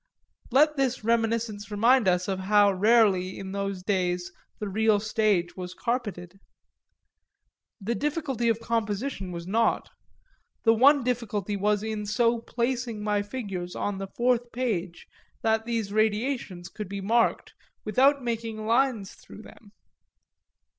Let this reminiscence remind us of how rarely in those days the real stage was carpeted. The difficulty of composition was naught; the one difficulty was in so placing my figures on the fourth page that these radiations could be marked without making lines through them.